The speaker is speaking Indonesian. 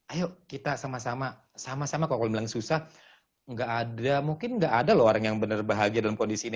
ayo kita sama sama sama kalau bilang susah nggak ada mungkin nggak ada loh orang yang benar bahagia dalam kondisi ini